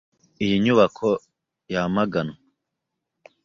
Iyi nyubako yamaganwe.